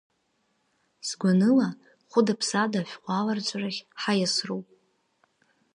Сгәаныла, хәыда-ԥсада ашәҟәы аларҵәарахь ҳаиасроуп.